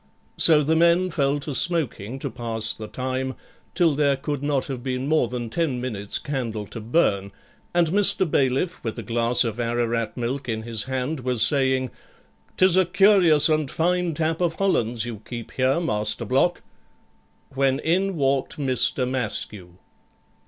So the men fell to smoking to pass the time, till there could not have been more than ten minutes' candle to burn, and Mr. Bailiff, with a glass of Ararat milk in his hand, was saying, 'Tis a curious and fine tap of Hollands you keep here, Master Block,' when in walked Mr. Maskew.